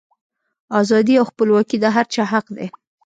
ازادي او خپلواکي د هر چا حق دی.